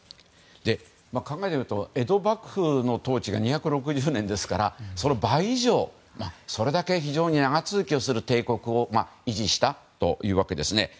考えてみると江戸幕府の統治が２６０年ですからその倍以上それだけ非常に長続きをする帝国を維持したというわけですね。